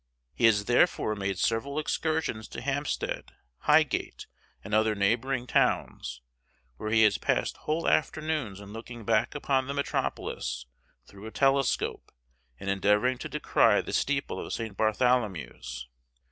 He has therefore made several excursions to Hampstead, Highgate, and other neighboring towns, where he has passed whole afternoons in looking back upon the metropolis through a telescope and endeavoring to descry the steeple of St. Bartholomew's.